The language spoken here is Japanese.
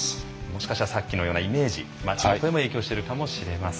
もしかしたらさっきのようなイメージ街の声も影響してるかもしれません。